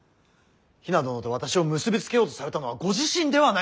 比奈殿と私を結び付けようとされたのはご自身ではないですか。